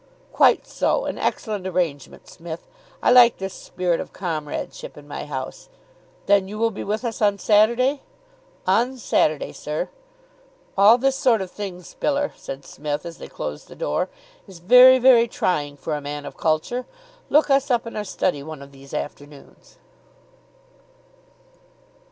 "Quite so. An excellent arrangement, Smith. I like this spirit of comradeship in my house. Then you will be with us on Saturday?" "On Saturday, sir." "All this sort of thing, Spiller," said Psmith, as they closed the door, "is very, very trying for a man of culture. Look us up in our study one of these afternoons."